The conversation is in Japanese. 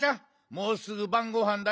もうすぐばんごはんだよ。